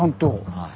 はい。